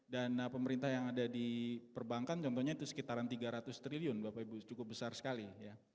dana pemerintah yang ada di perbankan contohnya itu sekitaran tiga ratus triliun bapak ibu cukup besar sekali ya